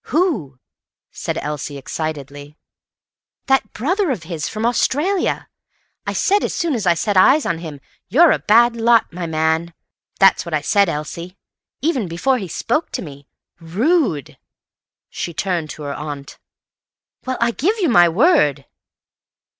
"Who?" said Elsie excitedly. "That brother of his. From Australia. I said as soon as I set eyes on him, 'You're a bad lot, my man!' That's what I said, Elsie. Even before he spoke to me. Rude!" She turned to her aunt. "Well, I give you my word."